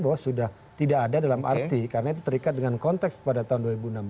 bahwa sudah tidak ada dalam arti karena itu terikat dengan konteks pada tahun dua ribu enam belas